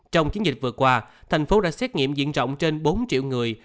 trong chiến dịch vừa qua thành phố đã xét nghiệm diện rộng trên bốn triệu người